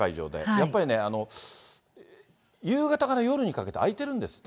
やっぱり、夕方から夜にかけて空いてるんですって。